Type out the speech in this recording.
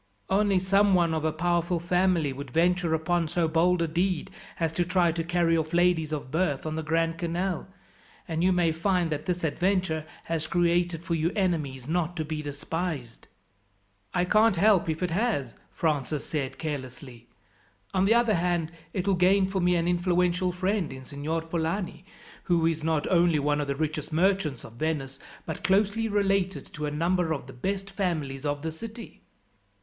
Only someone of a powerful family would venture upon so bold a deed, as to try to carry off ladies of birth on the Grand Canal, and you may find that this adventure has created for you enemies not to be despised." "I can't help it if it has," Francis said carelessly. "On the other hand, it will gain for me an influential friend in Signor Polani, who is not only one of the richest merchants of Venice, but closely related to a number of the best families of the city."